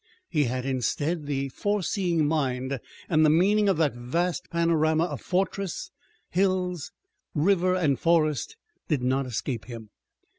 He had, instead, the foreseeing mind, and the meaning of that vast panorama of fortress, hills, river and forest did not escape him.